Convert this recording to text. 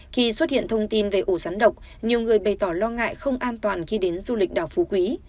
khi xuất hiện thông tin về ổ sắn độc nhiều người bày tỏ lo ngại không an toàn khi đến du lịch đảo phú quý